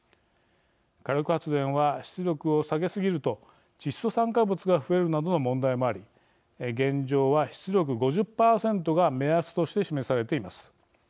火力発電は出力を下げすぎると窒素酸化物が増えるなどの問題もあり現状は出力５０％が目安として示されています。